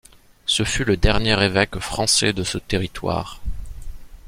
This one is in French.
Ce fut le dernier évêque français de ce territoire.